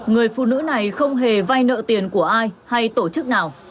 người phụ nữ này không hề vay nợ tiền của ai hay tổ chức nào